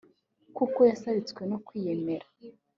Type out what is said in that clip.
kuko yasabitswe no kwiyemera